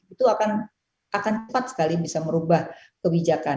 itu akan cepat sekali bisa merubah kebijakan